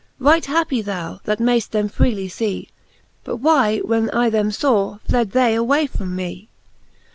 Right happy thou, that may ft them freely fee : But why, when I them faw, fled they away from me